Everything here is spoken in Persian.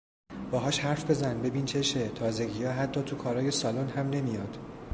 باهاش حرف بزن، ببین چشه؟ تازگیا حتی تو کارای سالن هم نمی آد